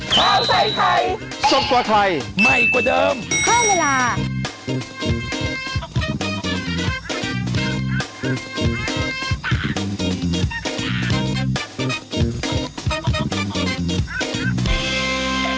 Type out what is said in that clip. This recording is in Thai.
ใครส่งว่าใครไม่กว่าเดิม